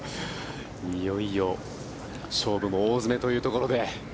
いよいよ勝負も大詰めというところで。